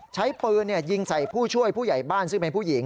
ใช้ปืนยิงใส่ผู้ช่วยผู้ใหญ่บ้านซึ่งเป็นผู้หญิง